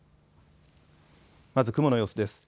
まず雲の様子です。